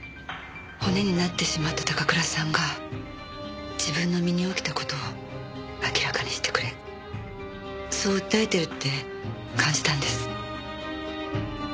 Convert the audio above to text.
骨になってしまった高倉さんが自分の身に起きた事を明らかにしてくれそう訴えているって感じたんです。